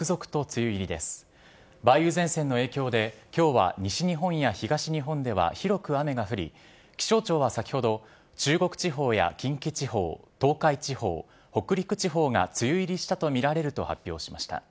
梅雨前線の影響で、きょうは西日本や東日本では広く雨が降り、気象庁は先ほど、中国地方や近畿地方、東海地方、北陸地方が梅雨入りしたと見られると発表しました。